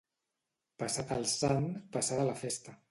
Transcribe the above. Passat el sant, passada la festa.